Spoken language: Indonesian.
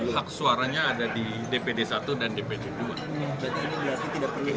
hak suaranya ada di dpd i dan dpd ii